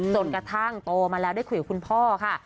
จนกระทั่งโตมาแล้วได้คุยกับคุณพ่อค่ะ